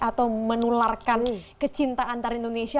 atau menularkan kecintaan antara indonesia